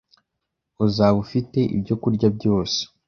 uzaba ufite ibyokurya byose